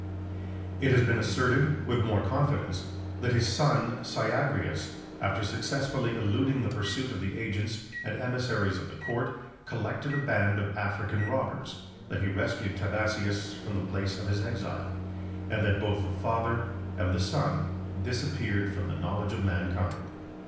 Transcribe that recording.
16 It has been asserted, with more confidence, that his son Syagrius, after successfully eluding the pursuit of the agents and emissaries of the court, collected a band of African robbers; that he rescued Timasius from the place of his exile; and that both the father and the son disappeared from the knowledge of mankind.